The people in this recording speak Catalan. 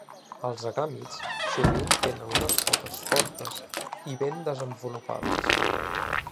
Els agàmids sovint tenen unes potes fortes i ben desenvolupades.